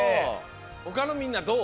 ほかのみんなどう？